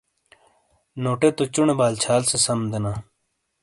نوٹے تو چُنے بال چھال سے سَم دینا۔